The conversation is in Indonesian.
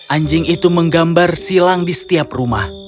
anjing itu menggambar silang di setiap rumah